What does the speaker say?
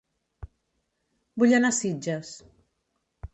Vull anar a Sitges